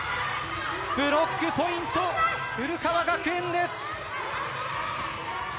ブロックポイント、古川学園です。